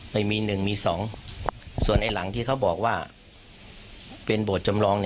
ไม่มี๑มี๒ส่วนไอ้หลังที่เขาบอกว่าเป็นโบสถจำลอง